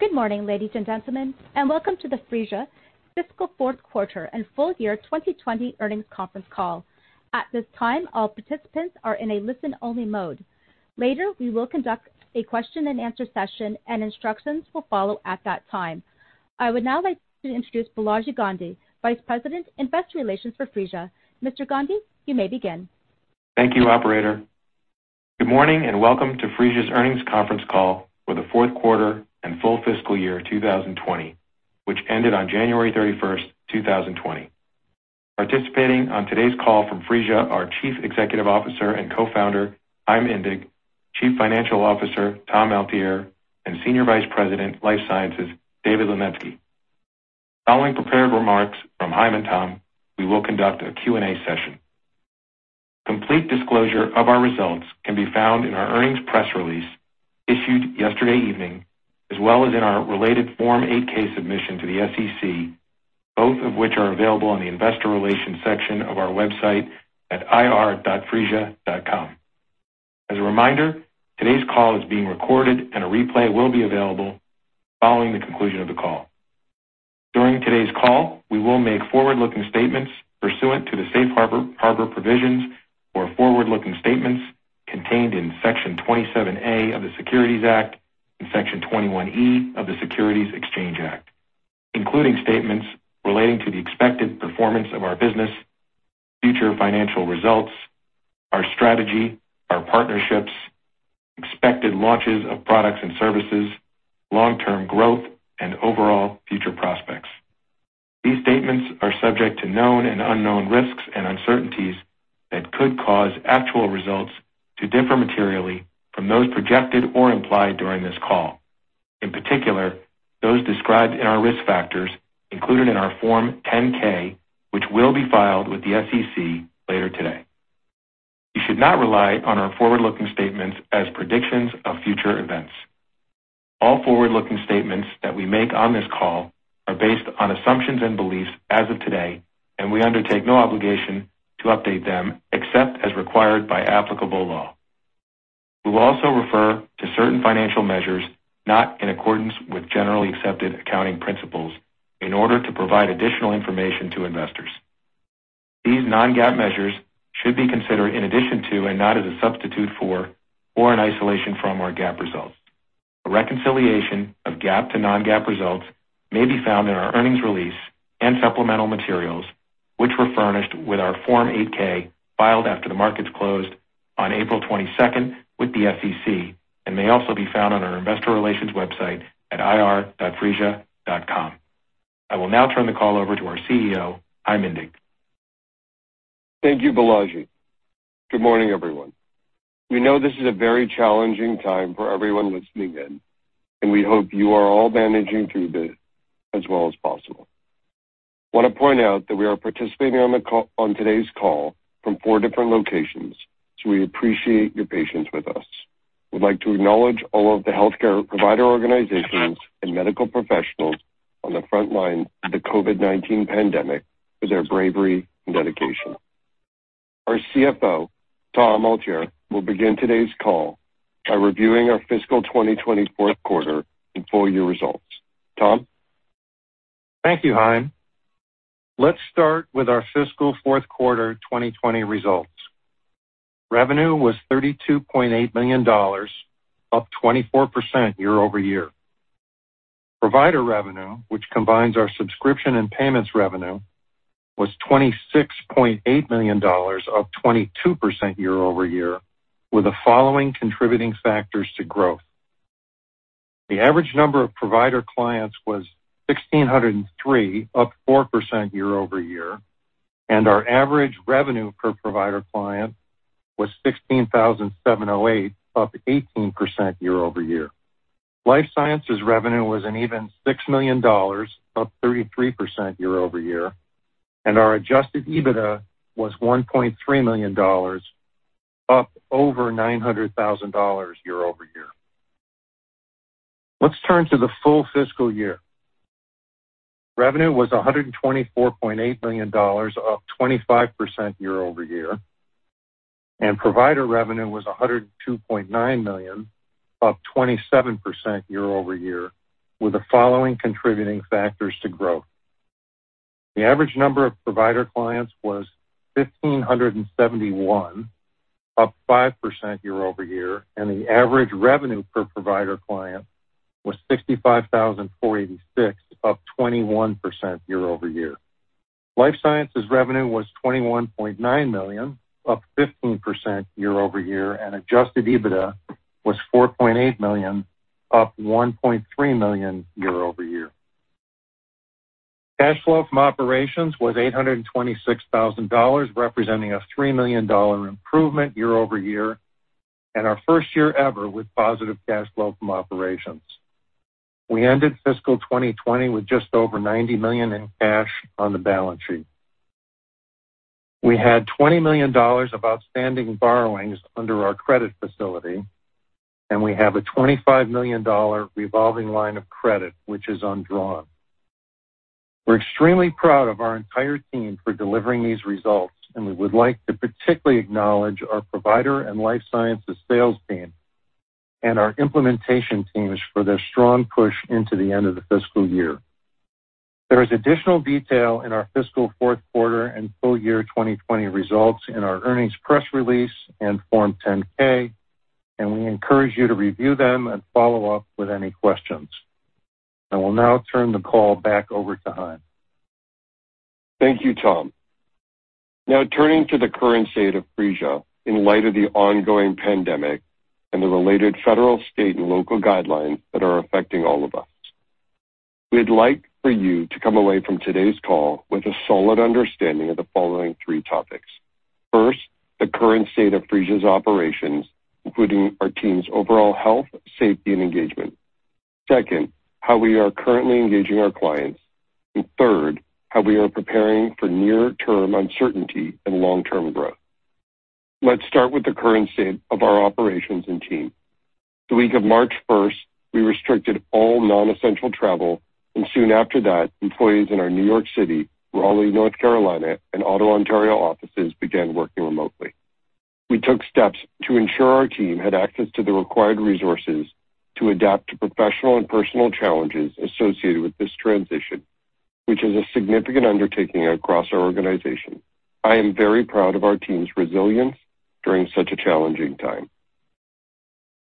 Good morning, ladies and gentlemen, and welcome to the Phreesia fiscal fourth quarter and full year 2020 earnings conference call. At this time, all participants are in a listen-only mode. Later, we will conduct a question and answer session, and instructions will follow at that time. I would now like to introduce Balaji Gandhi, Vice President, Investor Relations for Phreesia. Mr. Gandhi, you may begin. Thank you, operator. Good morning, and welcome to Phreesia's earnings conference call for the fourth quarter and full fiscal year 2020, which ended on January 31st, 2020. Participating on today's call from Phreesia are Chief Executive Officer and Co-founder, Chaim Indig, Chief Financial Officer, Tom Altier, and Senior Vice President, Life Sciences, David Linetsky. Following prepared remarks from Chaim and Tom, we will conduct a Q&A session. Complete disclosure of our results can be found in our earnings press release issued yesterday evening, as well as in our related Form 8-K submission to the SEC, both of which are available on the investor relations section of our website at ir.phreesia.com. As a reminder, today's call is being recorded, and a replay will be available following the conclusion of the call. During today's call, we will make forward-looking statements pursuant to the Safe Harbor provisions for Forward-Looking Statements contained in Section 27A of the Securities Act and Section 21E of the Securities Exchange Act, including statements relating to the expected performance of our business, future financial results, our strategy, our partnerships, expected launches of products and services, long-term growth, and overall future prospects. These statements are subject to known and unknown risks and uncertainties that could cause actual results to differ materially from those projected or implied during this call, in particular, those described in our risk factors included in our Form 10-K, which will be filed with the SEC later today. You should not rely on our forward-looking statements as predictions of future events. All forward-looking statements that we make on this call are based on assumptions and beliefs as of today, and we undertake no obligation to update them except as required by applicable law. We'll also refer to certain financial measures not in accordance with generally accepted accounting principles in order to provide additional information to investors. These non-GAAP measures should be considered in addition to and not as a substitute for or an isolation from our GAAP results. A reconciliation of GAAP to non-GAAP results may be found in our earnings release and supplemental materials, which were furnished with our Form 8-K, filed after the markets closed on April 22nd with the SEC, and may also be found on our investor relations website at ir.phreesia.com. I will now turn the call over to our CEO, Chaim Indig. Thank you, Balaji. Good morning, everyone. We know this is a very challenging time for everyone listening in, and we hope you are all managing through this as well as possible. I wanna point out that we are participating on today's call from four different locations, so we appreciate your patience with us. We'd like to acknowledge all of the healthcare provider organizations and medical professionals on the front line of the COVID-19 pandemic for their bravery and dedication. Our CFO, Tom Altier, will begin today's call by reviewing our fiscal 2020 fourth quarter and full year results. Tom? Thank you, Chaim. Let's start with our fiscal fourth quarter 2020 results. Revenue was $32.8 million, up 24% year-over-year. Provider revenue, which combines our subscription and payments revenue, was $26.8 million, up 22% year-over-year, with the following contributing factors to growth. The average number of provider clients was 1,603, up 4% year-over-year, and our average revenue per provider client was $16,708, up 18% year-over-year. Life sciences revenue was $6 million, up 33% year-over-year, and our adjusted EBITDA was $1.3 million, up over $900,000 year-over-year. Let's turn to the full fiscal year. Revenue was $124.8 million, up 25% year-over-year, and Provider revenue was $102.9 million, up 27% year-over-year, with the following contributing factors to growth. The average number of provider clients was 1,571, up 5% year-over-year, and the average revenue per provider client was $65,486, up 21% year-over-year. Life sciences revenue was $21.9 million, up 15% year-over-year, and Adjusted EBITDA was $4.8 million, up $1.3 million year-over-year. Cash flow from operations was $826,000, representing a $3 million improvement year-over-year and our first year ever with positive cash flow from operations. We ended fiscal 2020 with just over $90 million in cash on the balance sheet. We had $20 million of outstanding borrowings under our credit facility, and we have a $25 million revolving line of credit, which is undrawn. We're extremely proud of our entire team for delivering these results, and we would like to particularly acknowledge our provider and life sciences sales team and our implementation teams for their strong push into the end of the fiscal year. There is additional detail in our fiscal fourth quarter and full year 2020 results in our earnings press release and Form 10-K, and we encourage you to review them and follow up with any questions. I will now turn the call back over to Chaim. Thank you, Tom. Now turning to the current state of Phreesia in light of the ongoing pandemic and the related federal, state, and local guidelines that are affecting all of us. We'd like for you to come away from today's call with a solid understanding of the following three topics. First, the current state of Phreesia's operations, including our team's overall health, safety, and engagement. Second, how we are currently engaging our clients, and third, how we are preparing for near-term uncertainty and long-term growth. Let's start with the current state of our operations and team. The week of March 1st, we restricted all non-essential travel, and soon after that, employees in our New York City, Raleigh, North Carolina, and Ottawa, Ontario, offices began working remotely. We took steps to ensure our team had access to the required resources to adapt to professional and personal challenges associated with this transition, which is a significant undertaking across our organization. I am very proud of our team's resilience during such a challenging time.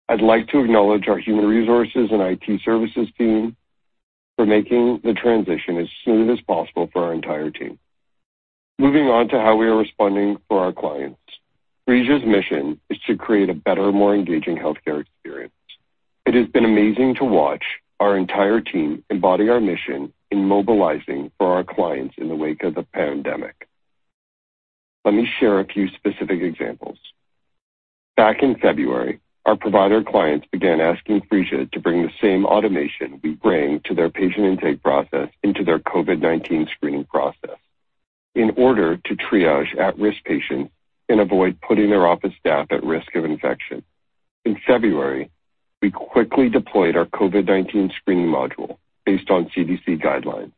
I'd like to acknowledge our human resources and IT services team for making the transition as smooth as possible for our entire team. Moving on to how we are responding for our clients. Phreesia's mission is to create a better, more engaging healthcare experience. It has been amazing to watch our entire team embody our mission in mobilizing for our clients in the wake of the pandemic. Let me share a few specific examples. Back in February, our provider clients began asking Phreesia to bring the same automation we bring to their patient intake process into their COVID-19 screening process in order to triage at-risk patients and avoid putting their office staff at risk of infection. In February, we quickly deployed our COVID-19 screening module based on CDC guidelines.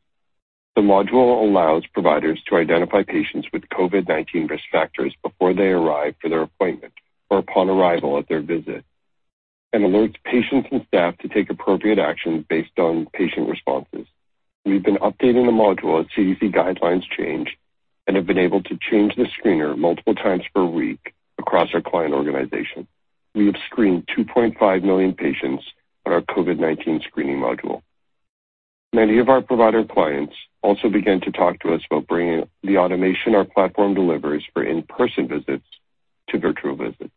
The module allows providers to identify patients with COVID-19 risk factors before they arrive for their appointment or upon arrival at their visit and alerts patients and staff to take appropriate action based on patient responses. We've been updating the module as CDC guidelines change and have been able to change the screener multiple times per week across our client organization. We have screened 2.5 million patients on our COVID-19 screening module. Many of our provider clients also began to talk to us about bringing the automation our platform delivers for in-person visits to virtual visits.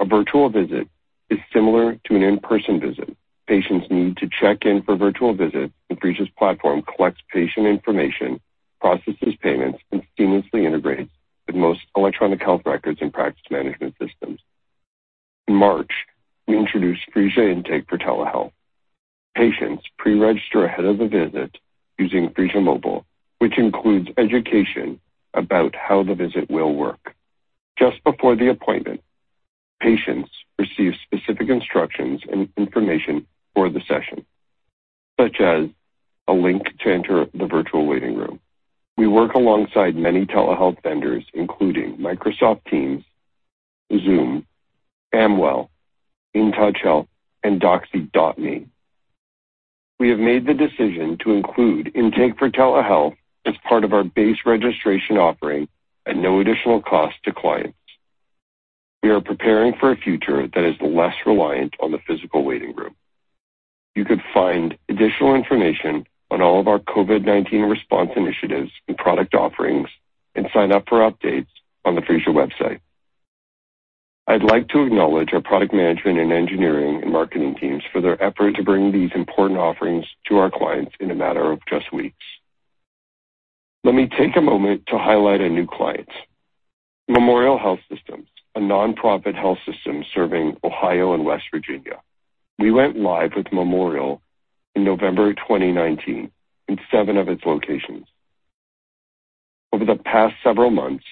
A virtual visit is similar to an in-person visit. Patients need to check in for a virtual visit, and Phreesia's platform collects patient information, processes payments, and seamlessly integrates with most electronic health records and practice management systems. In March, we introduced Phreesia Intake for Telehealth. Patients pre-register ahead of the visit using Phreesia Mobile, which includes education about how the visit will work. Just before the appointment, patients receive specific instructions and information for the session, such as a link to enter the virtual waiting room. We work alongside many telehealth vendors, including Microsoft Teams, Zoom, Amwell, InTouch Health, and Doxy.me. We have made the decision to include Intake for Telehealth as part of our base registration offering at no additional cost to clients. We are preparing for a future that is less reliant on the physical waiting room. You could find additional information on all of our COVID-19 response initiatives and product offerings and sign up for updates on the Phreesia website. I'd like to acknowledge our product management and engineering and marketing teams for their effort to bring these important offerings to our clients in a matter of just weeks. Let me take a moment to highlight a new client, Memorial Health System, a nonprofit health system serving Ohio and West Virginia. We went live with Memorial in November 2019 in seven of its locations. Over the past several months,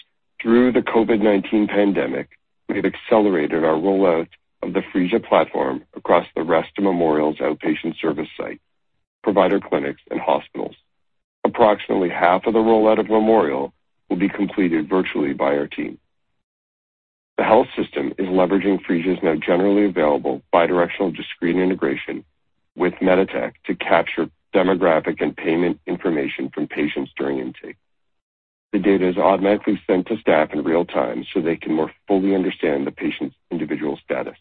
through the COVID-19 pandemic, we have accelerated our rollout of the Phreesia platform across the rest of Memorial's outpatient service site, provider clinics, and hospitals. Approximately half of the rollout of Memorial will be completed virtually by our team. The health system is leveraging Phreesia's now generally available bidirectional discrete integration with MEDITECH to capture demographic and payment information from patients during intake. The data is automatically sent to staff in real time so they can more fully understand the patient's individual status.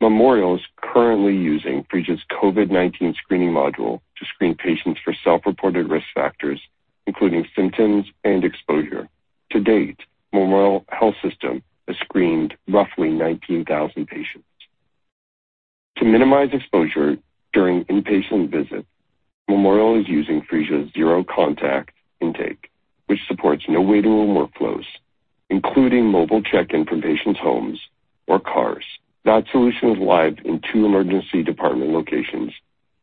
Memorial is currently using Phreesia's COVID-19 Screening Module to screen patients for self-reported risk factors, including symptoms and exposure. To date, Memorial Health System has screened roughly 19,000 patients. To minimize exposure during inpatient visits, Memorial is using Phreesia's Zero-Contact Intake, which supports no waiting room workflows, including mobile check-in from patients' homes or cars. That solution is live in two emergency department locations,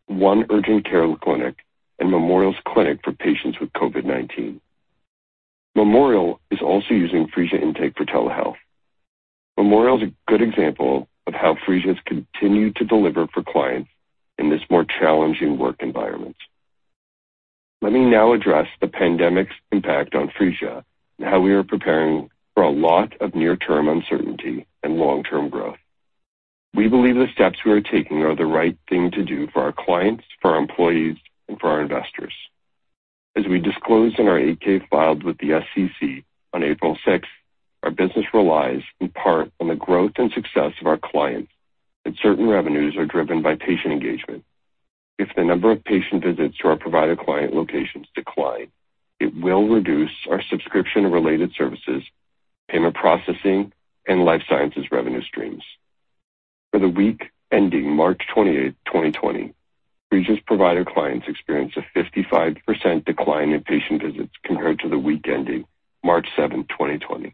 one urgent care clinic, and Memorial's clinic for patients with COVID-19. Memorial is also using Phreesia Intake for Telehealth. Memorial is a good example of how Phreesia has continued to deliver for clients in this more challenging work environment. Let me now address the pandemic's impact on Phreesia and how we are preparing for a lot of near-term uncertainty and long-term growth. We believe the steps we are taking are the right thing to do for our clients, for our employees, and for our investors. As we disclosed in our 8-K filed with the SEC on April 6th, our business relies in part on the growth and success of our clients, and certain revenues are driven by patient engagement. If the number of patient visits to our provider client locations decline, it will reduce our subscription and related services, payment processing, and life sciences revenue streams. For the week ending March 28th, 2020, Phreesia's provider clients experienced a 55% decline in patient visits compared to the week ending March 7th, 2020,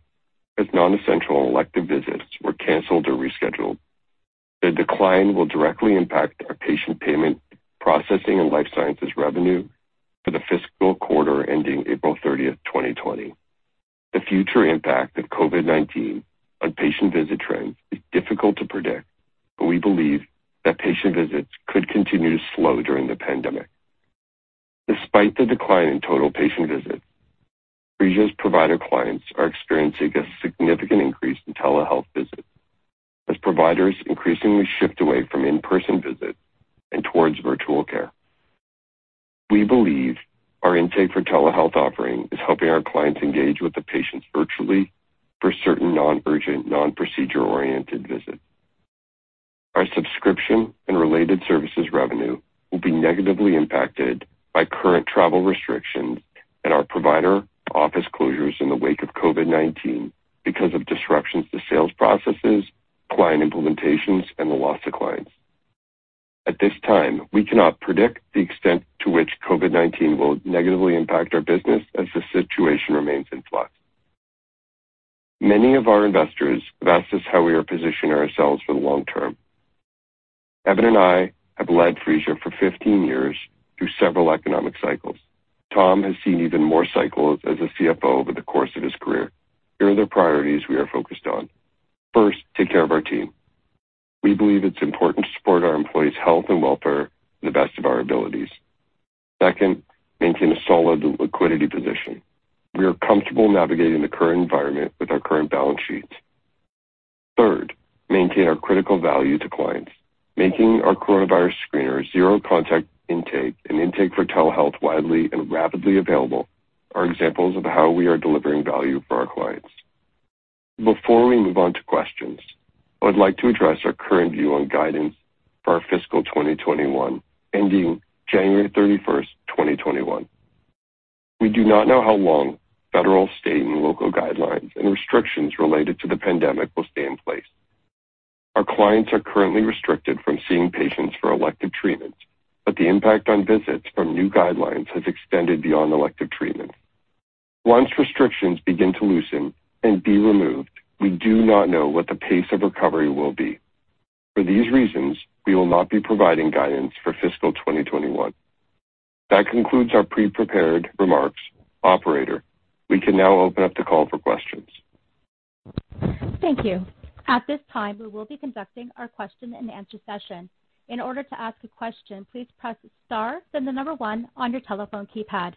as non-essential elective visits were canceled or rescheduled. The decline will directly impact our patient payment processing and life sciences revenue for the fiscal quarter ending April 30th, 2020. The future impact of COVID-19 on patient visit trends is difficult to predict, but we believe that patient visits could continue to slow during the pandemic. Despite the decline in total patient visits, Phreesia's provider clients are experiencing a significant increase in telehealth visits as providers increasingly shift away from in-person visits and towards virtual care. We believe our Intake for Telehealth offering is helping our clients engage with the patients virtually for certain non-urgent, non-procedure-oriented visits. Our subscription and related services revenue will be negatively impacted by current travel restrictions and our provider office closures in the wake of COVID-19 because of disruptions to sales processes, client implementations, and the loss of clients. At this time, we cannot predict the extent to which COVID-19 will negatively impact our business as the situation remains in flux. Many of our investors have asked us how we are positioning ourselves for the long term. Evan and I have led Phreesia for 15 years through several economic cycles. Tom has seen even more cycles as a CFO over the course of his career. Here are the priorities we are focused on. First, take care of our team. We believe it's important to support our employees' health and welfare to the best of our abilities. Second, maintain a solid liquidity position. We are comfortable navigating the current environment with our current balance sheets. Third, maintain our critical value to clients. Making our coronavirus screener, Zero-Contact Intake, and Intake for Telehealth widely and rapidly available are examples of how we are delivering value for our clients. Before we move on to questions, I would like to address our current view on guidance for our fiscal 2021, ending January 31st, 2021. We do not know how long federal, state, and local guidelines and restrictions related to the pandemic will stay in place. Our clients are currently restricted from seeing patients for elective treatments, but the impact on visits from new guidelines has extended beyond elective treatment. Once restrictions begin to loosen and be removed, we do not know what the pace of recovery will be. For these reasons, we will not be providing guidance for fiscal 2021. That concludes our pre-prepared remarks. Operator, we can now open up the call for questions. Thank you. At this time, we will be conducting our question-and-answer session. In order to ask a question, please press star, then the number one on your telephone keypad.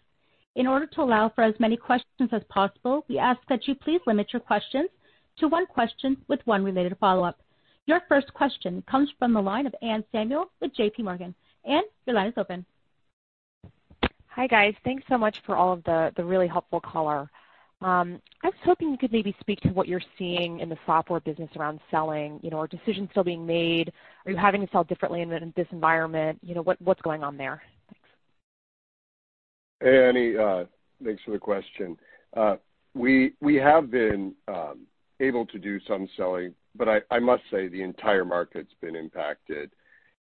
In order to allow for as many questions as possible, we ask that you please limit your questions to one question with one related follow-up. Your first question comes from the line of Anne Samuel with JPMorgan. Anne, your line is open. Hi, guys. Thanks so much for all of the really helpful color. I was hoping you could maybe speak to what you're seeing in the software business around selling. You know, are decisions still being made? Are you having to sell differently in this environment? You know, what's going on there? Thanks. Hey, Annie, thanks for the question. We have been able to do some selling, but I must say, the entire market's been impacted.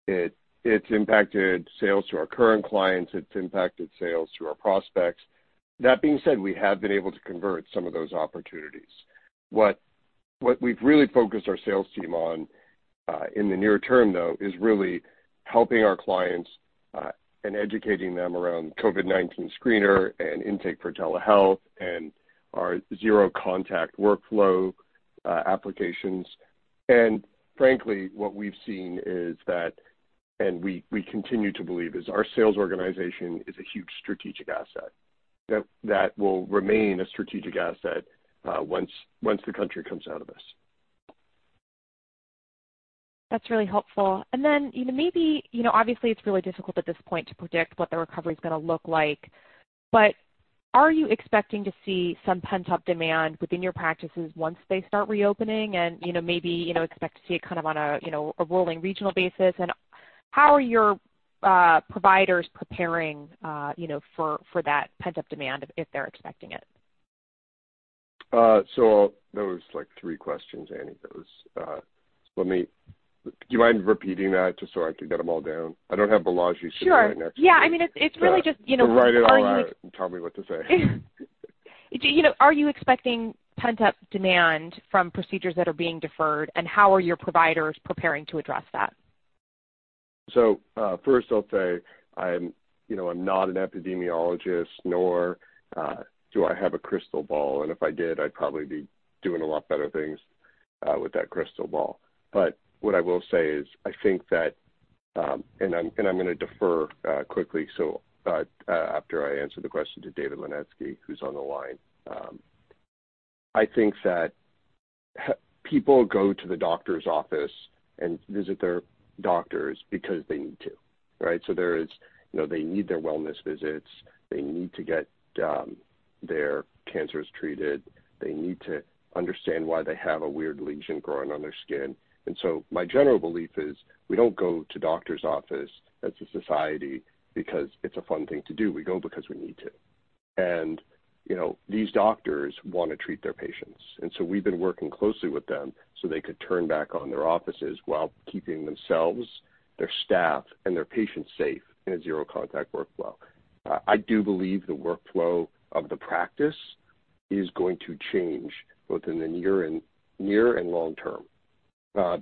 It's impacted sales to our current clients. It's impacted sales to our prospects. That being said, we have been able to convert some of those opportunities. What we've really focused our sales team on, in the near term, though, is really helping our clients, and educating them around COVID-19 screener and Intake for Telehealth and our zero contact workflow applications. And frankly, what we've seen is that, and we continue to believe, is our sales organization is a huge strategic asset, that will remain a strategic asset, once the country comes out of this. That's really helpful. And then, you know, maybe, You know, obviously, it's really difficult at this point to predict what the recovery is gonna look like, but are you expecting to see some pent-up demand within your practices once they start reopening? And, you know, maybe, you know, expect to see it kind of on a, you know, a rolling regional basis. And how are your providers preparing, you know, for that pent-up demand, if they're expecting it? So that was, like, three questions, Annie. That was. Let me. Do you mind repeating that just so I can get them all down? I don't have Balaji sitting right next to me. Sure. Yeah, I mean, it's really just, you know, are you- Write it all out, and tell me what to say. You know, are you expecting pent-up demand from procedures that are being deferred, and how are your providers preparing to address that? So, first I'll say I'm, you know, I'm not an epidemiologist, nor do I have a crystal ball, and if I did, I'd probably be doing a lot better things with that crystal ball. But what I will say is, I think that, and I'm, and I'm gonna defer quickly, so after I answer the question to David Linetsky, who's on the line. I think that people go to the doctor's office and visit their doctors because they need to, right? So there is, you know, they need their wellness visits. They need to get their cancers treated. They need to understand why they have a weird lesion growing on their skin. And so my general belief is we don't go to doctor's office as a society because it's a fun thing to do. We go because we need to. And, you know, these doctors wanna treat their patients, and so we've been working closely with them so they could turn back on their offices while keeping themselves, their staff, and their patients safe in a zero contact workflow. I do believe the workflow of the practice is going to change both in the near and long term,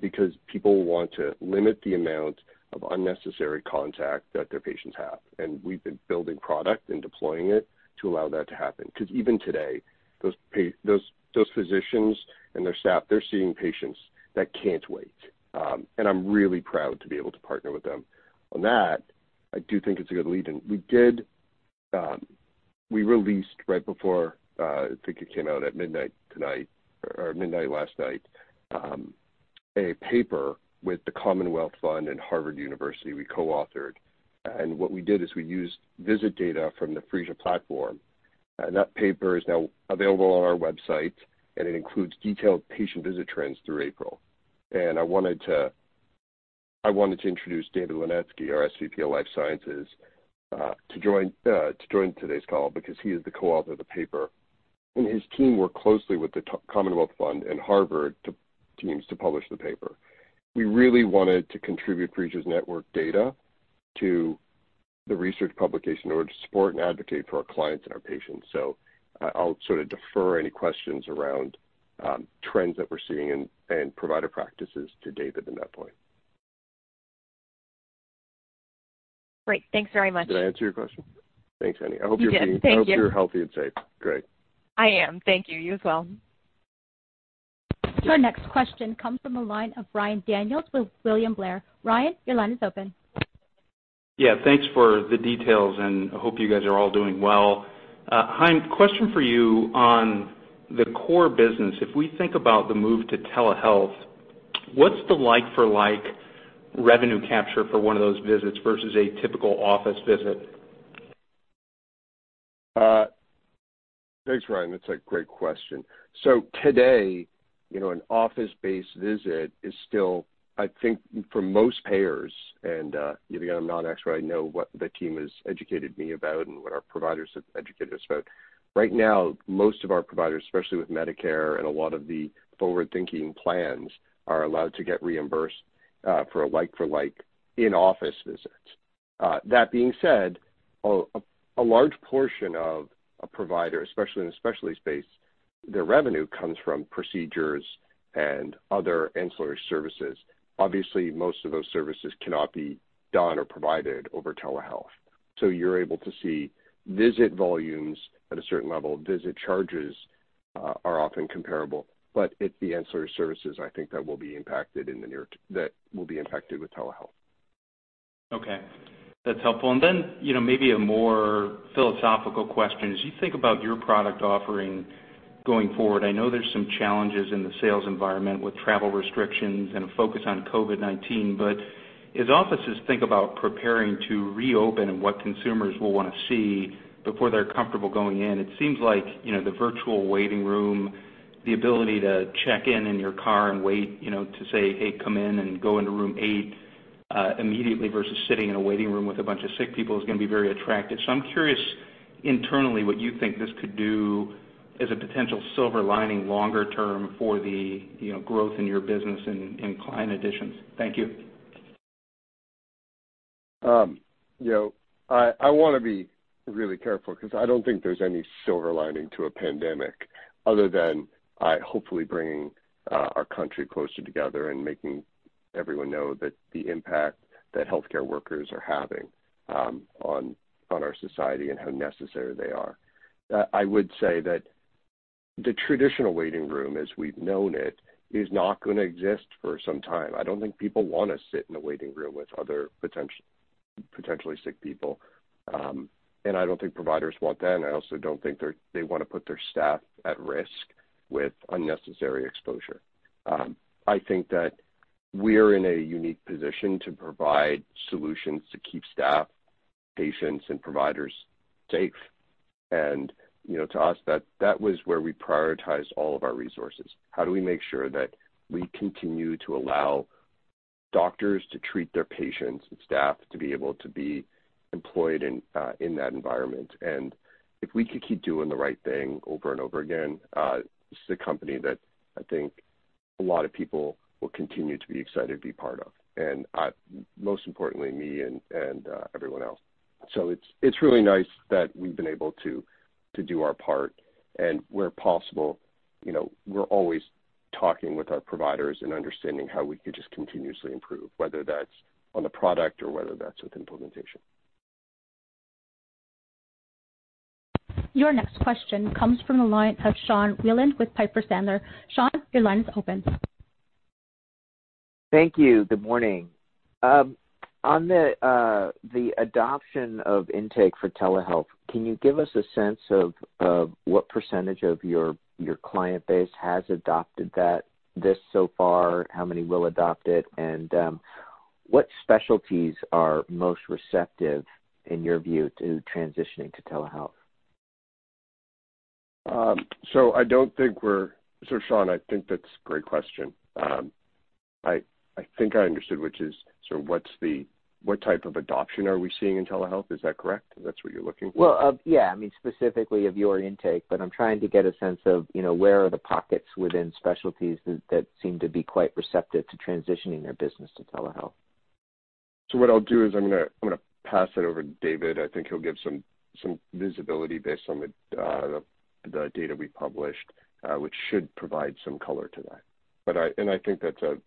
because people want to limit the amount of unnecessary contact that their patients have, and we've been building product and deploying it to allow that to happen. 'Cause even today, those physicians and their staff, they're seeing patients that can't wait. And I'm really proud to be able to partner with them. On that, I do think it's a good lead in. We did, we released right before, I think it came out at midnight tonight or midnight last night, a paper with the Commonwealth Fund and Harvard University we co-authored. And what we did is we used visit data from the Phreesia platform, and that paper is now available on our website, and it includes detailed patient visit trends through April. And I wanted to, I wanted to introduce David Linetsky, our SVP of Life Sciences, to join, to join today's call because he is the co-author of the paper, and his team worked closely with the Commonwealth Fund and Harvard teams to publish the paper. We really wanted to contribute Phreesia's network data to the research publication in order to support and advocate for our clients and our patients. So, I'll sort of defer any questions around trends that we're seeing and provider practices to David in that point. Great. Thanks very much. Did I answer your question? Thanks, Annie. You did. Thank you. I hope you're healthy and safe. Great. I am. Thank you, you as well. Our next question comes from the line of Ryan Daniels with William Blair. Ryan, your line is open. Yeah, thanks for the details, and I hope you guys are all doing well. Chaim, question for you on the core business. If we think about the move to telehealth, what's the like-for-like revenue capture for one of those visits versus a typical office visit? Thanks, Ryan. That's a great question. So today, you know, an office-based visit is still, I think, for most payers and, you know, again, I'm not an expert. I know what the team has educated me about and what our providers have educated us about. Right now, most of our providers, especially with Medicare and a lot of the forward-thinking plans, are allowed to get reimbursed for a like-for-like in-office visit. That being said, a large portion of a provider, especially in a specialty space, their revenue comes from procedures and other ancillary services. Obviously, most of those services cannot be done or provided over telehealth. So you're able to see visit volumes at a certain level. Visit charges are often comparable, but it's the ancillary services, I think, that will be impacted with telehealth. Okay, that's helpful. And then, you know, maybe a more philosophical question. As you think about your product offering going forward, I know there's some challenges in the sales environment with travel restrictions and a focus on COVID-19, but as offices think about preparing to reopen and what consumers will wanna see before they're comfortable going in, it seems like, you know, the virtual waiting room, the ability to check in in your car and wait, you know, to say, "Hey, come in," and go into room eight, immediately, versus sitting in a waiting room with a bunch of sick people is gonna be very attractive. So I'm curious internally what you think this could do as a potential silver lining longer term for the, you know, growth in your business and in client additions. Thank you. You know, I wanna be really careful because I don't think there's any silver lining to a pandemic other than hopefully bringing our country closer together and making everyone know that the impact that healthcare workers are having on our society and how necessary they are. I would say that the traditional waiting room as we've known it is not gonna exist for some time. I don't think people wanna sit in a waiting room with other potentially sick people, and I don't think providers want that, and I also don't think they wanna put their staff at risk with unnecessary exposure. I think that we're in a unique position to provide solutions to keep staff, patients, and providers safe, and you know, to us, that was where we prioritized all of our resources. How do we make sure that we continue to allow doctors to treat their patients and staff to be able to be employed in that environment? And if we could keep doing the right thing over and over again, this is a company that I think a lot of people will continue to be excited to be part of, and most importantly and everyone else. So it's really nice that we've been able to do our part, and where possible, you know, we're always talking with our providers and understanding how we could just continuously improve, whether that's on the product or whether that's with implementation. Your next question comes from the line of Sean Wieland with Piper Sandler. Sean, your line is open. Thank you. Good morning. On the adoption of Intake for Telehealth, can you give us a sense of what percentage of your client base has adopted that, this so far, how many will adopt it? And what specialties are most receptive, in your view, to transitioning to telehealth? So, Sean, I think that's a great question. I think I understood, which is, so what's the, what type of adoption are we seeing in telehealth? Is that correct? That's what you're looking for? Well, yeah, I mean, specifically of your intake, but I'm trying to get a sense of, you know, where are the pockets within specialties that seem to be quite receptive to transitioning their business to telehealth? So what I'll do is I'm gonna pass it over to David. I think he'll give some visibility based on the data we published, which should provide some color to that. And I think that's a...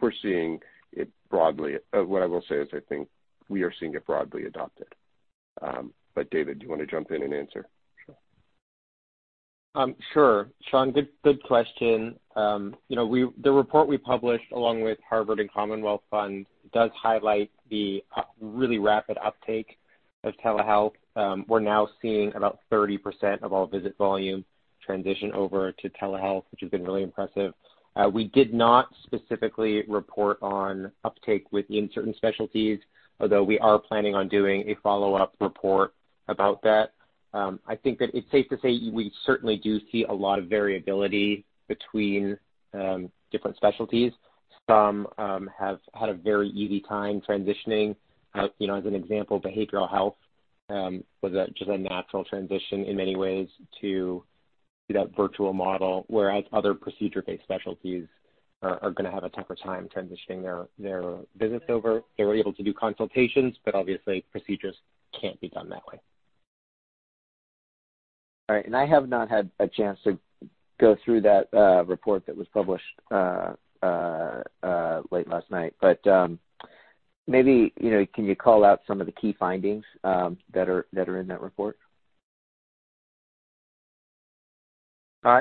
We're seeing it broadly. What I will say is I think we are seeing it broadly adopted. But David, do you want to jump in and answer? Sure. Sean, good, good question. You know, we, the report we published along with Harvard and Commonwealth Fund does highlight the really rapid uptake of telehealth. We're now seeing about 30% of all visit volume transition over to telehealth, which has been really impressive. We did not specifically report on uptake within certain specialties, although we are planning on doing a follow-up report about that. I think that it's safe to say we certainly do see a lot of variability between different specialties. Some have had a very easy time transitioning. You know, as an example, behavioral health was just a natural transition in many ways to do that virtual model, whereas other procedure-based specialties are gonna have a tougher time transitioning their visits over. They were able to do consultations, but obviously, procedures can't be done that way. All right, and I have not had a chance to go through that report that was published late last night. But maybe, you know, can you call out some of the key findings that are in that report?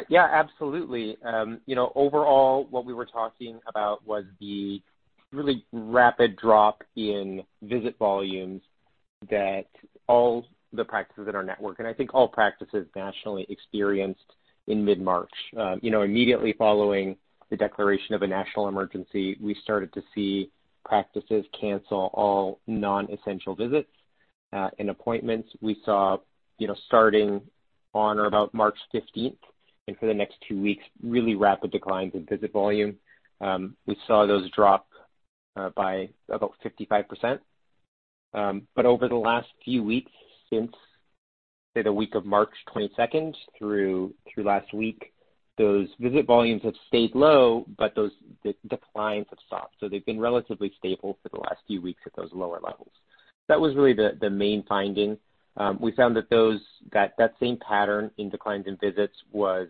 Yeah, absolutely. You know, overall, what we were talking about was the really rapid drop in visit volumes that all the practices in our network, and I think all practices nationally, experienced in mid-March. You know, immediately following the declaration of a national emergency, we started to see practices cancel all non-essential visits, and appointments. We saw, you know, starting on or about March 15th, and for the next two weeks, really rapid declines in visit volume. We saw those drop, by about 55%. But over the last few weeks, since the week of March 22nd through last week, those visit volumes have stayed low, but those declines have stopped. So they've been relatively stable for the last few weeks at those lower levels. That was really the main finding. We found that same pattern in declines in visits was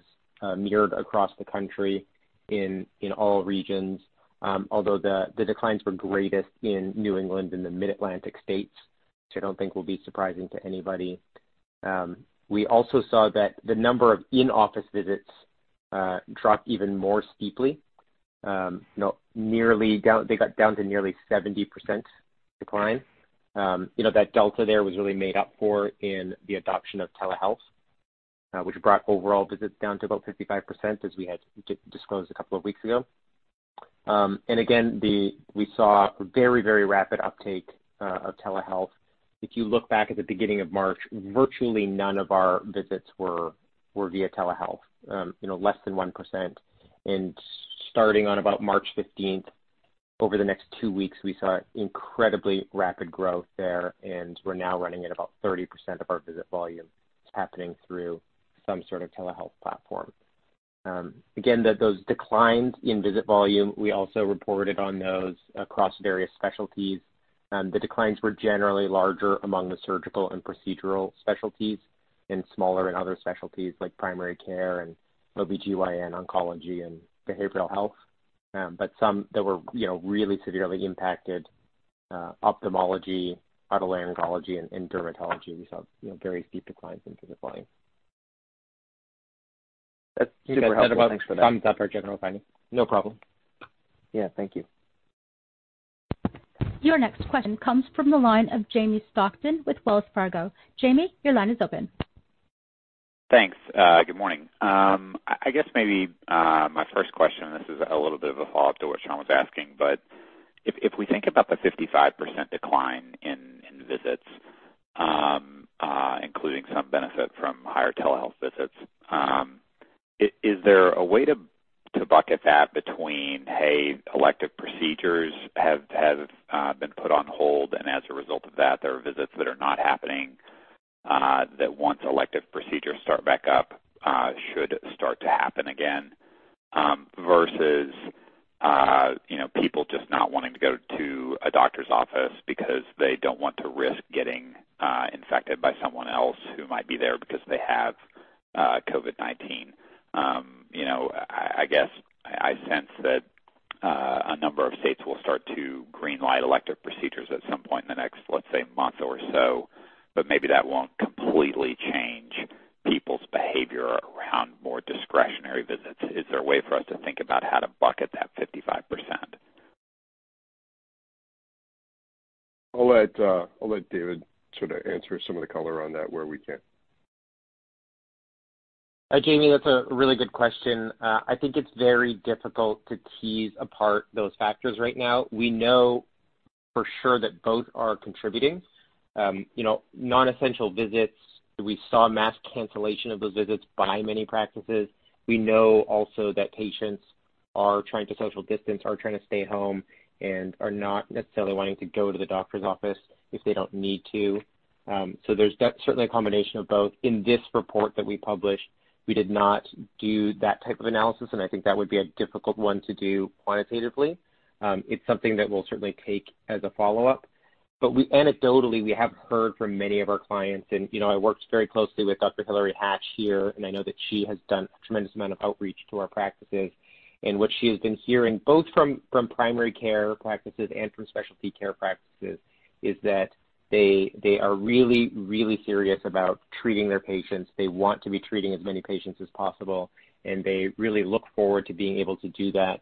mirrored across the country in all regions. Although the declines were greatest in New England and the Mid-Atlantic states, which I don't think will be surprising to anybody. We also saw that the number of in-office visits dropped even more steeply. You know, they got down to nearly 70% decline. You know, that delta there was really made up for in the adoption of telehealth, which brought overall visits down to about 55%, as we had disclosed a couple of weeks ago. And again, we saw very, very rapid uptake of telehealth. If you look back at the beginning of March, virtually none of our visits were via telehealth, you know, less than 1%. Starting on about March 15th, over the next two weeks, we saw incredibly rapid growth there, and we're now running at about 30% of our visit volume happening through some sort of telehealth platform. Again, those declines in visit volume, we also reported on those across various specialties. The declines were generally larger among the surgical and procedural specialties and smaller in other specialties like primary care and OBGYN, oncology, and behavioral health. But some that were, you know, really severely impacted, ophthalmology, otolaryngology, and dermatology. We saw, you know, very steep declines in visit volume. That's super helpful. Thanks for that. That's our general finding. No problem. Yeah. Thank you. Your next question comes from the line of Jamie Stockton with Wells Fargo. Jamie, your line is open. Thanks. Good morning. I guess maybe my first question, and this is a little bit of a follow-up to what Sean was asking, but if we think about the 55% decline in visits, including some benefit from higher telehealth visits, is there a way to bucket that between, hey, elective procedures have been put on hold, and as a result of that, there are visits that are not happening that once elective procedures start back up should start to happen again? Versus, you know, people just not wanting to go to a doctor's office because they don't want to risk getting infected by someone else who might be there because they have COVID-19. You know, I guess I sense that a number of states will start to green light elective procedures at some point in the next, let's say, month or so, but maybe that won't completely change people's behavior around more discretionary visits. Is there a way for us to think about how to bucket that 55%? I'll let David sort of answer some of the color on that where we can. Jamie, that's a really good question. I think it's very difficult to tease apart those factors right now. We know for sure that both are contributing. You know, non-essential visits, we saw mass cancellation of those visits by many practices. We know also that patients are trying to social distance, are trying to stay home, and are not necessarily wanting to go to the doctor's office if they don't need to. So there's de- certainly a combination of both. In this report that we published, we did not do that type of analysis, and I think that would be a difficult one to do quantitatively. It's something that we'll certainly take as a follow-up. But we anecdotally, we have heard from many of our clients, and, you know, I worked very closely with Dr. Hilary Hatch here, and I know that she has done a tremendous amount of outreach to our practices. And what she has been hearing, both from primary care practices and from specialty care practices, is that they are really, really serious about treating their patients. They want to be treating as many patients as possible, and they really look forward to being able to do that,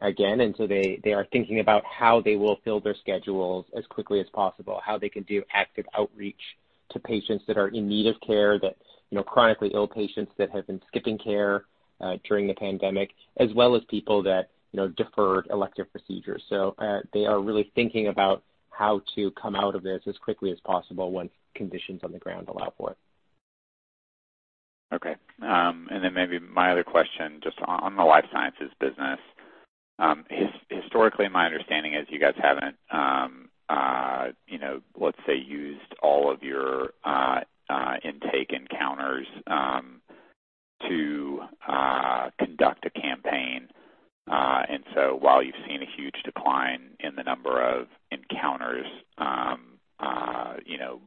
again. And so they are thinking about how they will fill their schedules as quickly as possible, how they can do active outreach to patients that are in need of care, that, you know, chronically ill patients that have been skipping care during the pandemic, as well as people that, you know, deferred elective procedures. So, they are really thinking about how to come out of this as quickly as possible once conditions on the ground allow for it. Okay. And then maybe my other question, just on the life sciences business. Historically, my understanding is you guys haven't, you know, let's say, used all of your intake encounters to conduct a campaign. And so while you've seen a huge decline in the number of encounters, you know,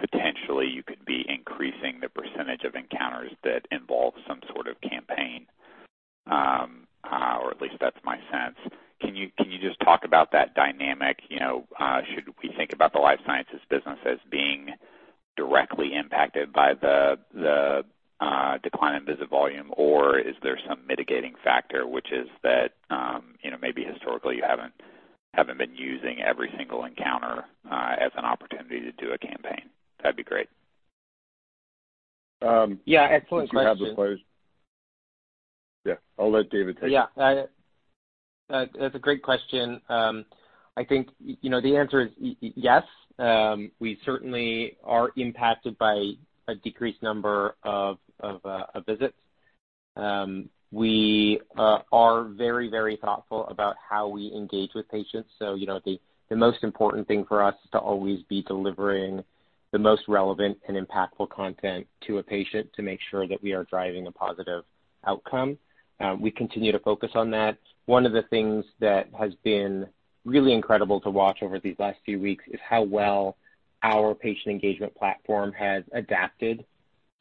potentially you could be increasing the percentage of encounters that involve some sort of campaign. Or at least that's my sense. Can you, can you just talk about that dynamic? You know, should we think about the life sciences business as being directly impacted by the decline in visit volume, or is there some mitigating factor, which is that, you know, maybe historically, you haven't been using every single encounter as an opportunity to do a campaign? That'd be great. Yeah, excellent question. Do you have the slides? Yeah, I'll let David take it. Yeah, that's a great question. I think, you know, the answer is yes. We certainly are impacted by a decreased number of visits. We are very, very thoughtful about how we engage with patients. So, you know, the most important thing for us is to always be delivering the most relevant and impactful content to a patient to make sure that we are driving a positive outcome. We continue to focus on that. One of the things that has been really incredible to watch over these last few weeks is how well our patient engagement platform has adapted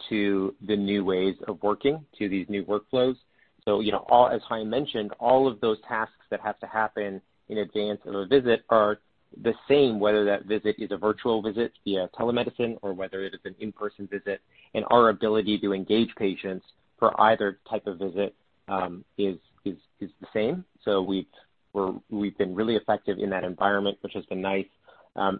to the new ways of working, to these new workflows. So, you know, all as Chaim mentioned, all of those tasks that have to happen in advance of a visit are the same, whether that visit is a virtual visit via telemedicine or whether it is an in-person visit. And our ability to engage patients for either type of visit is the same. So we've been really effective in that environment, which has been nice.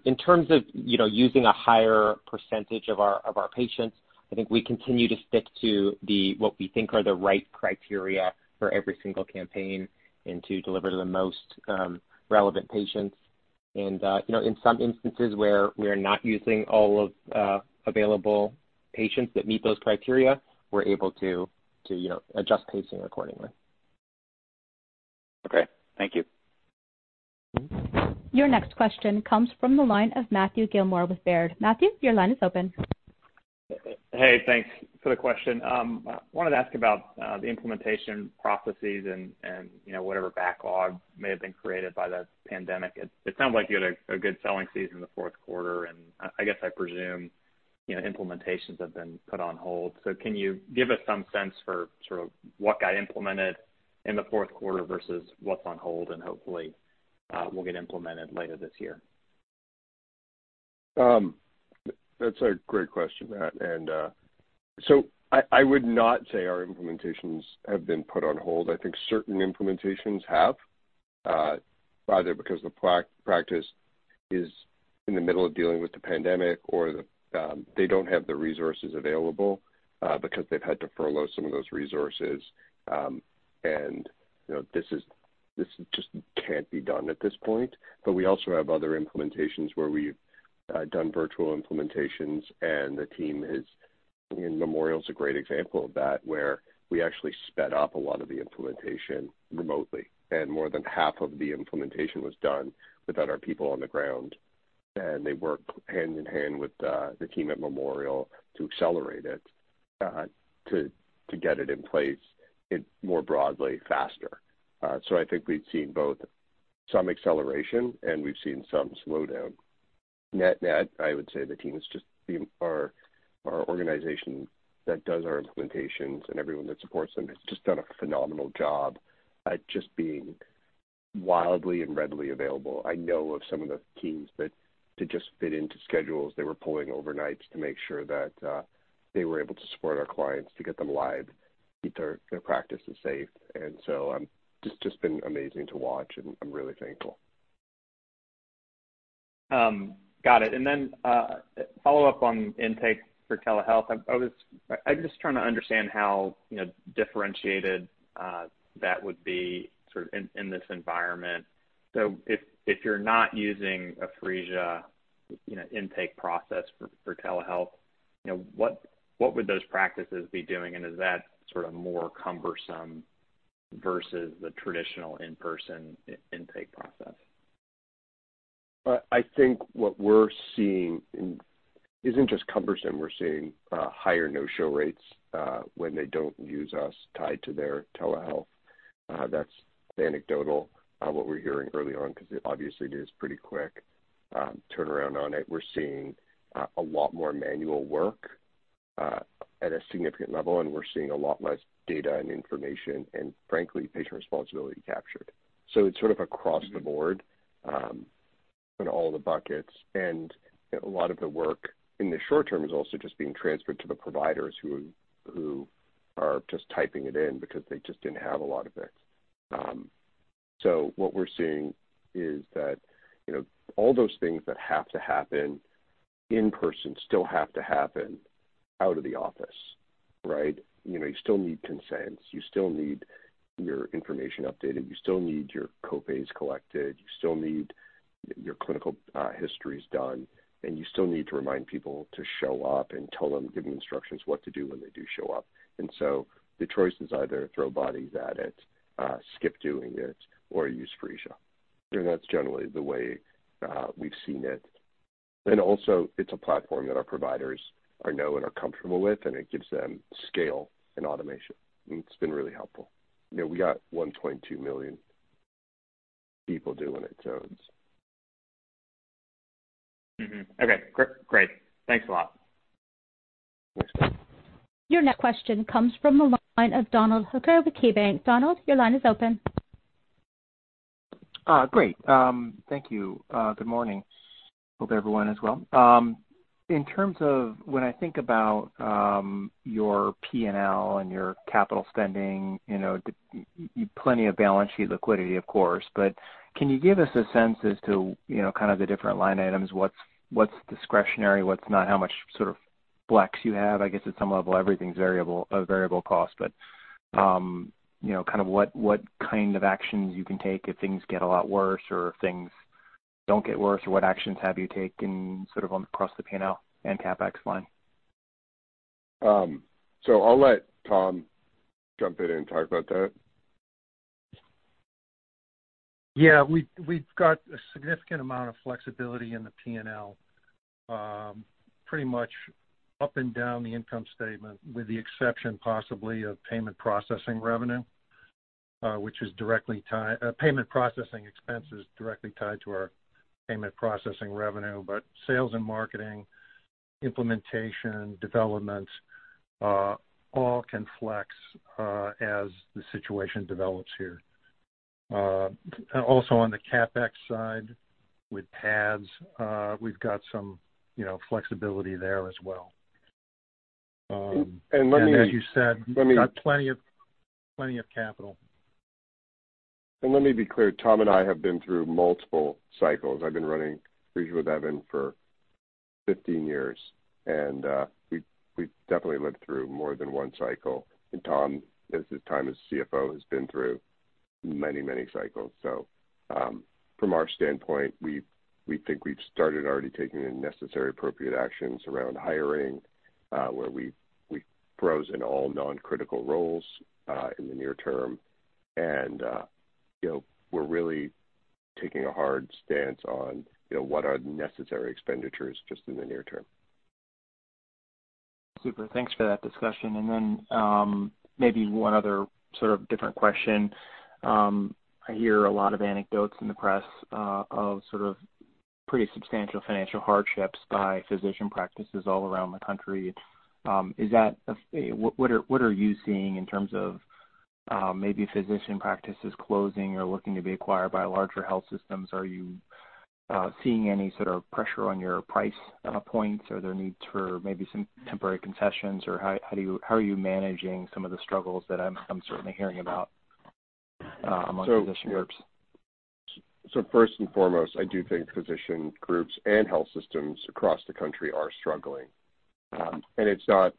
In terms of, you know, using a higher percentage of our patients, I think we continue to stick to what we think are the right criteria for every single campaign and to deliver to the most relevant patients. And, you know, in some instances where we are not using all of available patients that meet those criteria, we're able to, you know, adjust pacing accordingly. Okay, thank you. Your next question comes from the line of Matthew Gillmor with Baird. Matthew, your line is open. Hey, thanks for the question. I wanted to ask about the implementation processes and, you know, whatever backlog may have been created by the pandemic. It sounded like you had a good selling season in the fourth quarter, and I guess I presume, you know, implementations have been put on hold. So can you give us some sense for sort of what got implemented in the fourth quarter versus what's on hold and hopefully will get implemented later this year? That's a great question, Matt. And, so I would not say our implementations have been put on hold. I think certain implementations have, either because the practice is in the middle of dealing with the pandemic or they don't have the resources available, because they've had to furlough some of those resources. And, you know, this is, this just can't be done at this point. But we also have other implementations where we've done virtual implementations, and the team has. And Memorial's a great example of that, where we actually sped up a lot of the implementation remotely, and more than half of the implementation was done without our people on the ground, and they work hand in hand with the team at Memorial to accelerate it, to get it in place more broadly, faster. So I think we've seen both some acceleration, and we've seen some slowdown. Net-net, I would say the team is just being- our, our organization that does our implementations and everyone that supports them, has just done a phenomenal job at just being wildly and readily available. I know of some of the teams that to just fit into schedules, they were pulling overnights to make sure that they were able to support our clients to get them live, keep their, their practices safe. And so, it's just been amazing to watch, and I'm really thankful. Got it. Then, follow up on Intake for Telehealth. I'm just trying to understand how, you know, differentiated that would be sort of in this environment. So if you're not using a Phreesia intake process for telehealth, you know, what would those practices be doing, and is that sort of more cumbersome versus the traditional in-person intake process? I think what we're seeing isn't just cumbersome. We're seeing higher no-show rates when they don't use us tied to their telehealth. That's anecdotal, what we're hearing early on, because it obviously is pretty quick turnaround on it. We're seeing a lot more manual work at a significant level, and we're seeing a lot less data and information, and frankly, patient responsibility captured. So it's sort of across the board in all the buckets. And a lot of the work in the short term is also just being transferred to the providers who are just typing it in because they just didn't have a lot of it. So what we're seeing is that, you know, all those things that have to happen in person still have to happen out of the office, right? You know, you still need consents, you still need your information updated, you still need your co-pays collected, you still need your clinical histories done, and you still need to remind people to show up and tell them, give them instructions, what to do when they do show up. And so the choice is either throw bodies at it, skip doing it, or use Phreesia. And that's generally the way, we've seen it. And also, it's a platform that our providers know and are comfortable with, and it gives them scale and automation, and it's been really helpful. You know, we got 122 million people doing it, so it's- Mm-hmm. Okay, great. Thanks a lot. Thanks. Your next question comes from the line of Donald Hooker with KeyBanc. Donald, your line is open. Great. Thank you. Good morning. Hope everyone is well. In terms of when I think about your PNL and your capital spending, you know, plenty of balance sheet liquidity, of course, but can you give us a sense as to, you know, kind of the different line items? What's, what's discretionary, what's not? How much sort of flex you have? I guess at some level, everything's variable, a variable cost, but, you know, kind of what, what kind of actions you can take if things get a lot worse or if things don't get worse, or what actions have you taken sort of on across the PNL and CapEx line? So I'll let Tom jump in and talk about that. Yeah, we've, we've got a significant amount of flexibility in the PNL, pretty much up and down the income statement, with the exception possibly of payment processing revenue, which is directly tied, payment processing expenses, directly tied to our payment processing revenue. But sales and marketing, implementation, development, all can flex, as the situation develops here. Also on the CapEx side, with pads, we've got some, you know, flexibility there as well, Let me- As you said- Let me- got plenty of, plenty of capital. Let me be clear, Tom and I have been through multiple cycles. I've been running Phreesia with Evan for 15 years, and we, we've definitely lived through more than one cycle. Tom, at the time, as CFO, has been through many, many cycles. So, from our standpoint, we think we've started already taking the necessary appropriate actions around hiring, where we've frozen all non-critical roles, in the near term. You know, we're really taking a hard stance on, you know, what are the necessary expenditures just in the near term. Super. Thanks for that discussion. And then, maybe one other sort of different question. I hear a lot of anecdotes in the press of sort of pretty substantial financial hardships by physician practices all around the country. Is that a—what are you seeing in terms of maybe physician practices closing or looking to be acquired by larger health systems? Are you seeing any sort of pressure on your price points, or their needs for maybe some temporary concessions? Or how are you managing some of the struggles that I'm certainly hearing about among physician groups? So first and foremost, I do think physician groups and health systems across the country are struggling. And it's not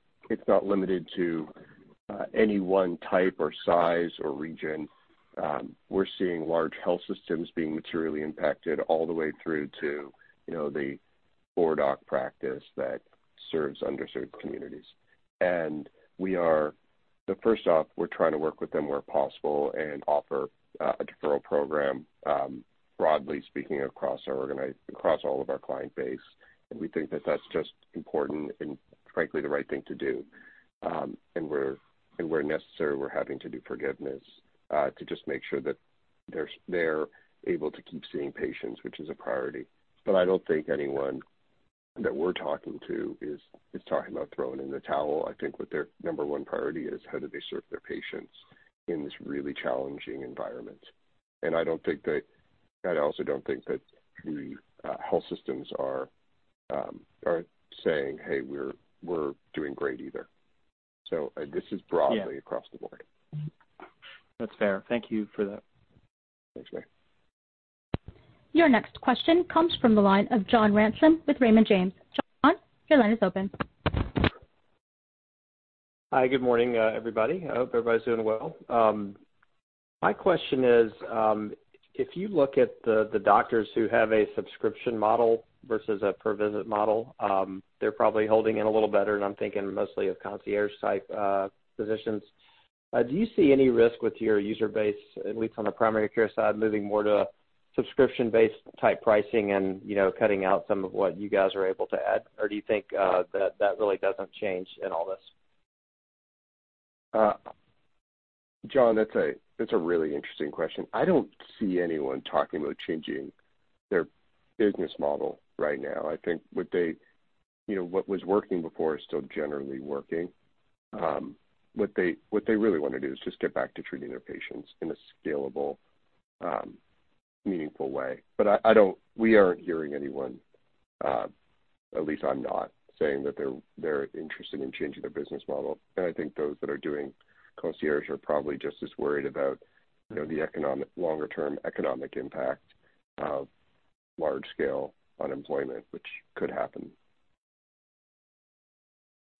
limited to any one type or size or region. We're seeing large health systems being materially impacted all the way through to, you know, or doc practice that serves underserved communities. So first off, we're trying to work with them where possible and offer a referral program, broadly speaking, across all of our client base. And we think that that's just important and frankly, the right thing to do. And where necessary, we're having to do forgiveness to just make sure that they're able to keep seeing patients, which is a priority. But I don't think anyone that we're talking to is talking about throwing in the towel. I think what their number one priority is, how do they serve their patients in this really challenging environment? And I don't think that, I also don't think that the health systems are saying, "Hey, we're doing great," either. So this is broadly- Yeah. - across the board. Mm-hmm. That's fair. Thank you for that. Thanks, Ray. Your next question comes from the line of John Ransom with Raymond James. John, your line is open. Hi, good morning, everybody. I hope everybody's doing well. My question is, if you look at the doctors who have a subscription model versus a per visit model, they're probably holding in a little better, and I'm thinking mostly of concierge-type physicians. Do you see any risk with your user base, at least on the primary care side, moving more to subscription-based type pricing and, you know, cutting out some of what you guys are able to add? Or do you think that really doesn't change in all this? John, that's a really interesting question. I don't see anyone talking about changing their business model right now. I think what they, you know, what was working before is still generally working. What they really want to do is just get back to treating their patients in a scalable, meaningful way. But I don't. We aren't hearing anyone, at least I'm not, saying that they're interested in changing their business model. And I think those that are doing concierge are probably just as worried about, you know, the economic, longer term economic impact of large scale unemployment, which could happen.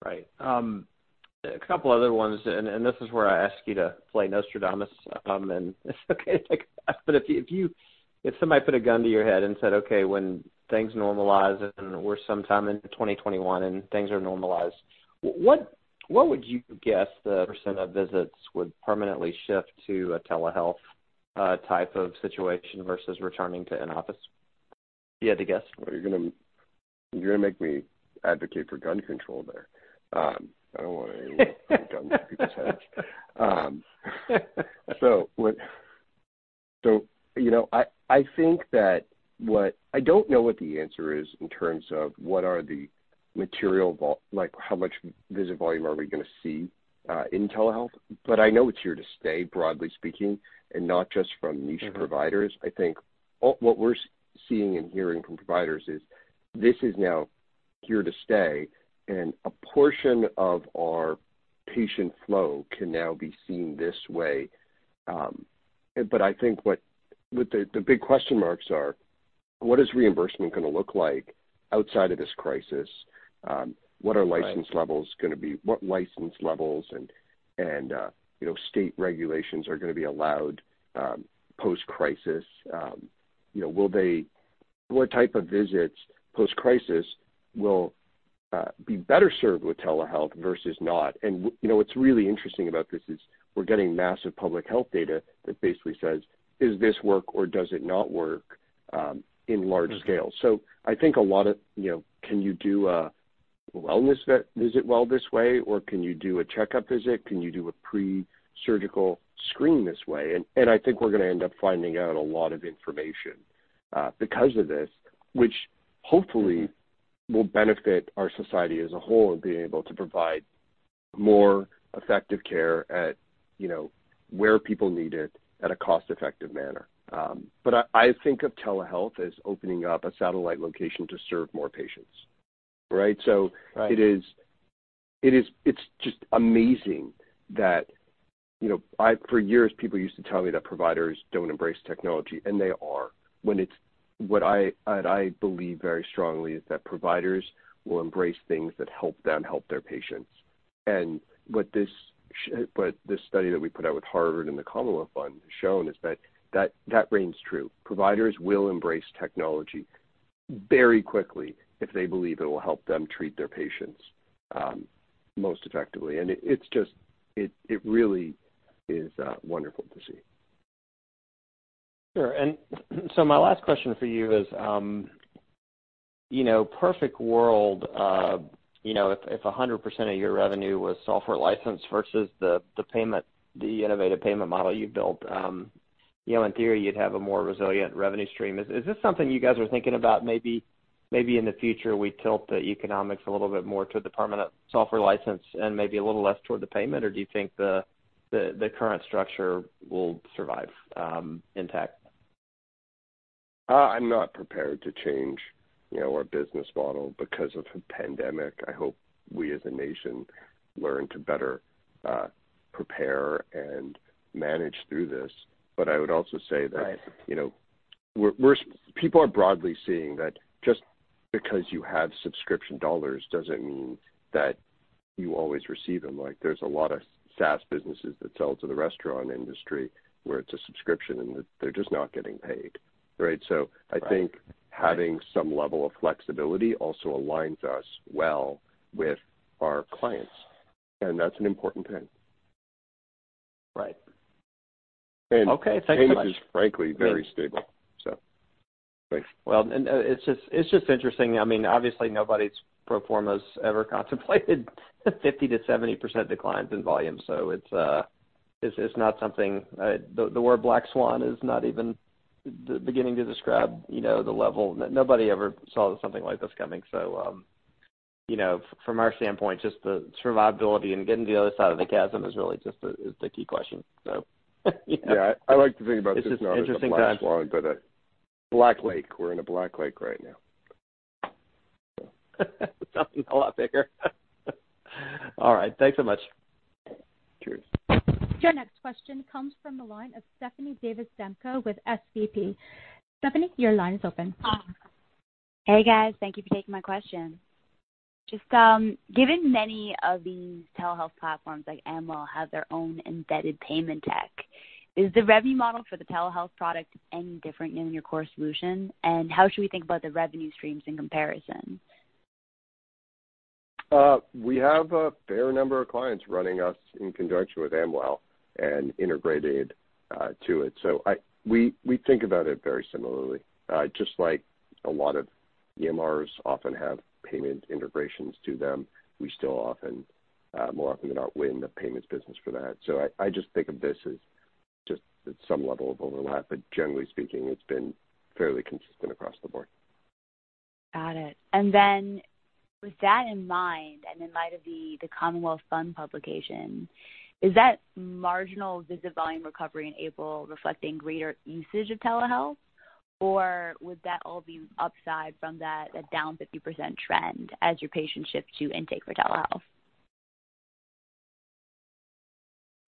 Right. A couple other ones, and this is where I ask you to play Nostradamus, and it's okay to ask, but if you—if somebody put a gun to your head and said, "Okay, when things normalize, and we're sometime in 2021, and things are normalized," what would you guess the percent of visits would permanently shift to a telehealth type of situation versus returning to an office, if you had to guess? Well, you're gonna make me advocate for gun control there. I don't want anyone to put a gun to people's heads. So, you know, I think that what I don't know what the answer is in terms of what are the material volume like, how much visit volume are we going to see in telehealth, but I know it's here to stay, broadly speaking, and not just from niche providers. Mm-hmm. I think what, what we're seeing and hearing from providers is this is now here to stay, and a portion of our patient flow can now be seen this way. But I think what, what the, the big question marks are: What is reimbursement going to look like outside of this crisis? What are- Right. license levels going to be? What license levels and, you know, state regulations are going to be allowed, post-crisis? You know, will they—what type of visits, post-crisis, will be better served with telehealth versus not? And, you know, what's really interesting about this is we're getting massive public health data that basically says, "Does this work or does it not work, in large scale? Mm-hmm. So I think a lot of, you know, can you do a wellness visit well this way, or can you do a checkup visit? Can you do a pre-surgical screen this way? And I think we're going to end up finding out a lot of information because of this, which hopefully- Mm-hmm will benefit our society as a whole, being able to provide more effective care at, you know, where people need it at a cost effective manner. But I think of telehealth as opening up a satellite location to serve more patients, right? Right. So it is, it is—it's just amazing that, you know, I—for years, people used to tell me that providers don't embrace technology, and they are. When it's... What I, and I believe very strongly, is that providers will embrace things that help them help their patients. And what this—what this study that we put out with Harvard and the Commonwealth Fund has shown is that, that, that rings true. Providers will embrace technology very quickly if they believe it will help them treat their patients, most effectively. And it, it's just, it, it really is, wonderful to see. Sure. And so my last question for you is, you know, perfect world, you know, if, if 100% of your revenue was software license versus the, the payment, the innovative payment model you've built, you know, in theory, you'd have a more resilient revenue stream. Is, is this something you guys are thinking about? Maybe, maybe in the future, we tilt the economics a little bit more to the permanent software license and maybe a little less toward the payment, or do you think the, the, the current structure will survive, intact? I'm not prepared to change, you know, our business model because of a pandemic. I hope we, as a nation, learn to better prepare and manage through this. Right. But I would also say that, you know, we're seeing people are broadly seeing that just because you have subscription dollars doesn't mean that you always receive them. Like, there's a lot of SaaS businesses that sell to the restaurant industry where it's a subscription, and they're just not getting paid, right? So I think having some level of flexibility also aligns us well with our clients, and that's an important thing. Right. Okay, thank you much. Churn is frankly very stable, so thanks. Well, and, it's just, it's just interesting. I mean, obviously, nobody's pro formas ever contemplated 50%-70% declines in volume, so it's, it's not something, the word black swan is not even the beginning to describe, you know, the level. Nobody ever saw something like this coming. So, you know, from our standpoint, just the survivability and getting to the other side of the chasm is really just the, is the key question. So yeah. Yeah, I like to think about this not as a black swan, but a black lake. We're in a black lake right now. Something a lot bigger. All right, thanks so much. Cheers. Your next question comes from the line of Stephanie Davis Demko with SVB. Stephanie, your line is open. Hey, guys. Thank you for taking my question. Just, given many of these telehealth platforms like Amwell have their own embedded payment tech, is the revenue model for the telehealth product any different than your core solution? And how should we think about the revenue streams in comparison? We have a fair number of clients running us in conjunction with Amwell and integrated to it. So we, we think about it very similarly. Just like a lot of EMRs often have payment integrations to them, we still often, more often than not, win the payments business for that. So I, I just think of this as just at some level of overlap, but generally speaking, it's been fairly consistent across the board. Got it. Then with that in mind, and in light of the Commonwealth Fund publication, is that marginal visit volume recovery in April reflecting greater usage of telehealth? Or would that all be upside from that down 50% trend as your patients shift to Intake for Telehealth?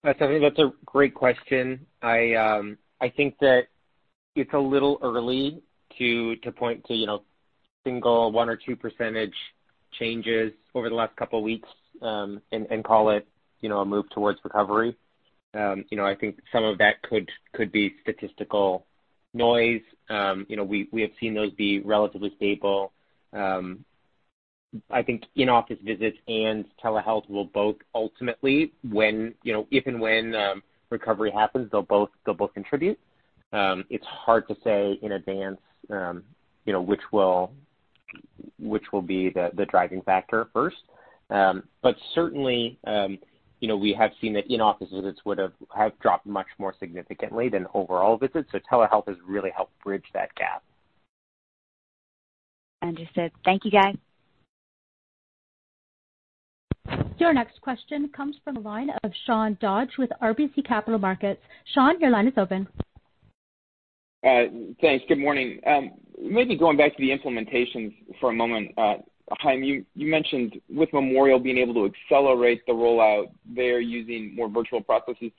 That's, I think that's a great question. I think that it's a little early to point to, you know, single one or two percentage changes over the last couple of weeks, and call it, you know, a move towards recovery. You know, I think some of that could be statistical noise. You know, we have seen those be relatively stable. I think in-office visits and telehealth will both ultimately, when, you know, if and when recovery happens, they'll both contribute. It's hard to say in advance, you know, which will be the driving factor first. But certainly, you know, we have seen that in-office visits would have dropped much more significantly than overall visits, so telehealth has really helped bridge that gap. Understood. Thank you, guys. Your next question comes from the line of Sean Dodge with RBC Capital Markets. Sean, your line is open. Thanks. Good morning. Maybe going back to the implementations for a moment. Chaim, you mentioned with Memorial being able to accelerate the rollout there using more virtual processes.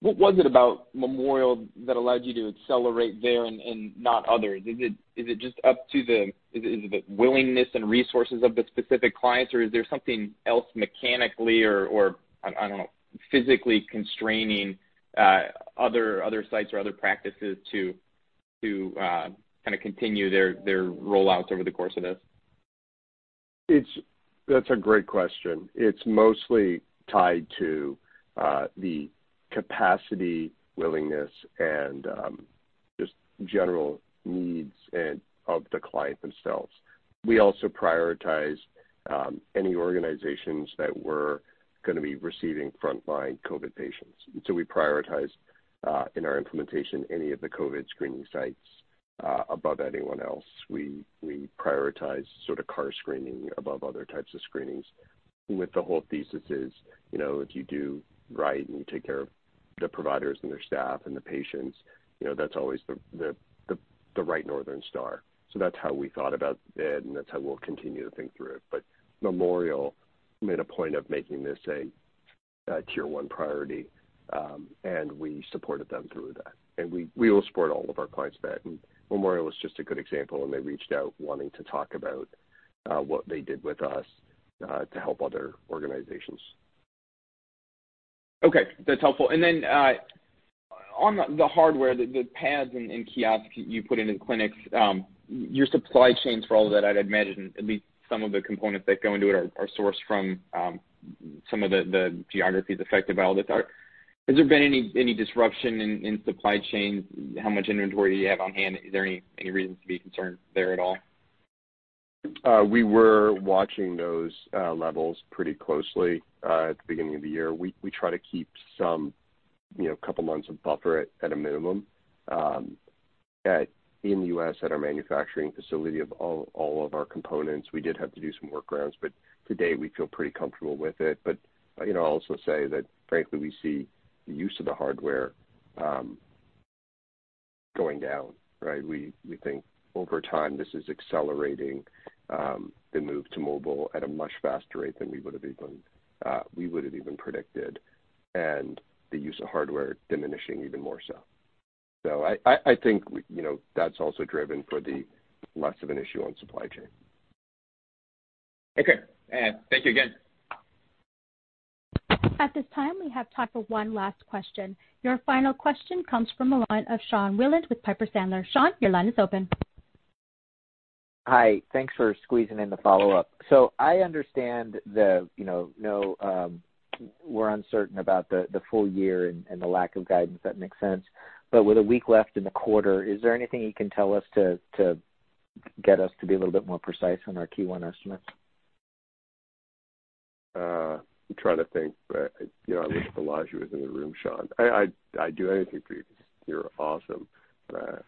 What was it about Memorial that allowed you to accelerate there and not others? Is it just up to the willingness and resources of the specific clients, or is there something else mechanically or, I don't know, physically constraining other sites or other practices to kind of continue their rollouts over the course of this? That's a great question. It's mostly tied to the capacity, willingness, and just general needs and of the client themselves. We also prioritize any organizations that were gonna be receiving frontline COVID patients. So we prioritize in our implementation any of the COVID screening sites above anyone else. We prioritize sort of car screening above other types of screenings, with the whole thesis is, you know, if you do right and you take care of the providers and their staff and the patients, you know, that's always the right Northern Star. So that's how we thought about it, and that's how we'll continue to think through it. But Memorial made a point of making this a tier one priority, and we supported them through that. And we will support all of our clients with that. Memorial was just a good example, and they reached out wanting to talk about what they did with us to help other organizations. Okay, that's helpful. And then, on the hardware, the pads and kiosk you put in the clinics, your supply chains for all of that, I'd imagine at least some of the components that go into it are sourced from some of the geographies affected by all this. Has there been any disruption in supply chain? How much inventory do you have on hand? Is there any reason to be concerned there at all? We were watching those levels pretty closely at the beginning of the year. We try to keep some, you know, couple months of buffer at a minimum. In the U.S., at our manufacturing facility of all of our components, we did have to do some workarounds, but today we feel pretty comfortable with it. But, you know, I'll also say that frankly, we see the use of the hardware going down, right? We think over time, this is accelerating the move to mobile at a much faster rate than we would have even predicted, and the use of hardware diminishing even more so. So I think, you know, that's also driving less of an issue on supply chain. Okay. Thank you again. At this time, we have time for one last question. Your final question comes from the line of Sean Wieland with Piper Sandler. Sean, your line is open. Hi. Thanks for squeezing in the follow-up. So I understand the, you know, no, we're uncertain about the full year and the lack of guidance. That makes sense. But with a week left in the quarter, is there anything you can tell us to get us to be a little bit more precise on our Q1 estimates? I'm trying to think, but, you know, I wish Balaji was in the room, Sean. I, I'd do anything for you. You're awesome. But,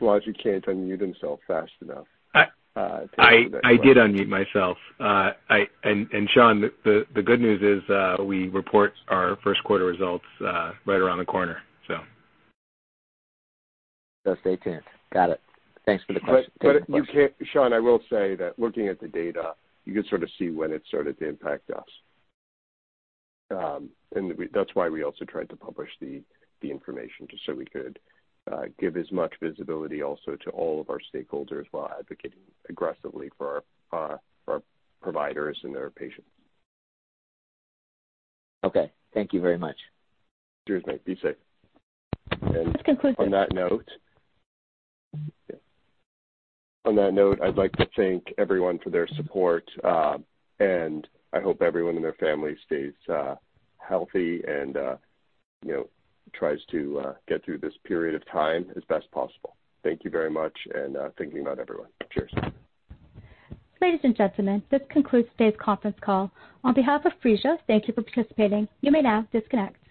Balaji can't unmute himself fast enough. I did unmute myself. And, Sean, the good news is, we report our first quarter results right around the corner, so. Stay tuned. Got it. Thanks for the question. But you can't, Sean, I will say that looking at the data, you can sort of see when it started to impact us. And we, that's why we also tried to publish the information, just so we could give as much visibility also to all of our stakeholders while advocating aggressively for our providers and their patients. Okay, thank you very much. Cheers, mate. Be safe. This concludes the- On that note... On that note, I'd like to thank everyone for their support, and I hope everyone and their family stays, healthy and, you know, tries to, get through this period of time as best possible. Thank you very much, and, thinking about everyone. Cheers. Ladies and gentlemen, this concludes today's conference call. On behalf of Phreesia, thank you for participating. You may now disconnect.